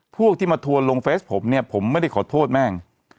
พวกที่มาทัวร์ลงเฟสผมเนี่ยผมไม่ได้ขอโทษแม่ง